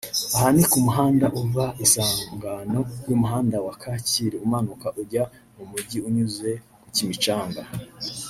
Aha ni ku muhanda uva isangano y'umuhanda wa Kacyiru umanuka ujya mu mujyi unyuze ku Kimicanga